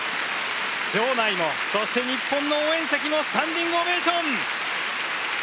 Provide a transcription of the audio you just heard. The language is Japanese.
場内もそして日本の応援席もスタンディングオベーション。